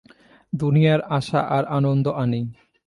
দুনিয়ায় আশা আর আনন্দ আনি!